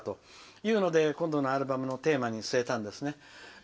それで今度のアルバムのテーマに据えたんですね。